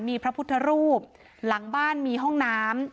มีพระพุทธรูปหลังบ้านมีห้องน้ำ